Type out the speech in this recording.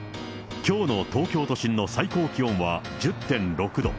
きょうの東京都心の最高気温は１０．６度。